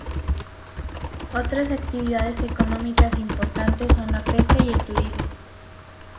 Otras actividades económicas importantes son la pesca y el turismo.